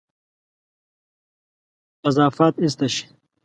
اضافات ایسته شي.